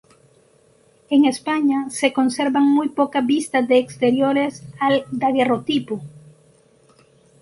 En España se conservan muy pocas vistas de exteriores al daguerrotipo.